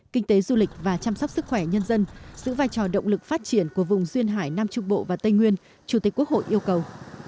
kinh tế du lịch và chăm sóc sức khỏe nhân dân giữ vai trò động lực phát triển của vùng duyên hải nam trung bộ và tây nguyên chủ tịch quốc hội yêu cầu